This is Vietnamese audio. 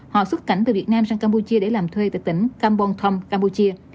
họ xuất cảnh từ việt nam sang campuchia để làm thuê tại tỉnh kampong thong campuchia